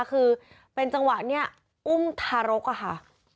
คือเป็นจังหวะเนี่ยอุ้มทารกอะค่ะ